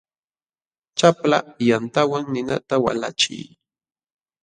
Chapla yantawan ninata walachiy.